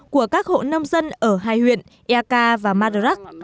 của các hộ nông dân ở hai huyện e ca và madarak